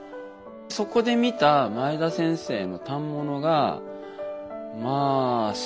そこで見た前田先生の反物がまあすごくてですね。